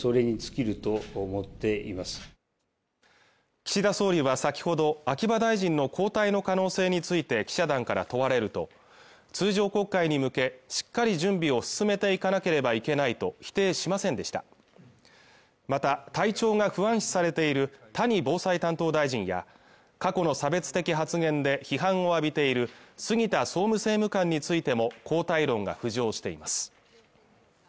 岸田総理は先ほど秋葉大臣の交代の可能性について記者団から問われると通常国会に向けしっかり準備を進めていかなければいけないと否定しませんでしたまた体調が不安視されている谷防災担当大臣や過去の差別的発言で批判を浴びている杉田総務政務官についても交代論が浮上しています